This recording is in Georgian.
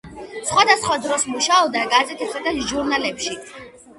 სხვადასხვა დროს მუშაობდა გაზეთებსა და ჟურნალებში.